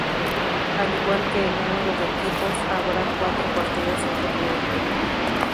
Al igual que el número de equipos, habrá cuatro partidos en torneo.